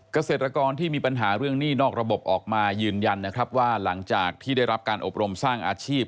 เกษตรกรที่มีปัญหาเรื่องหนี้นอกระบบออกมายืนยันนะครับว่าหลังจากที่ได้รับการอบรมสร้างอาชีพ